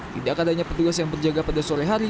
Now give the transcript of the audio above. tidak adanya petugas yang berjaga pada sore hari